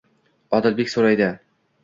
Odilbek so'raydi: